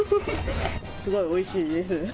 すごいおいしいです。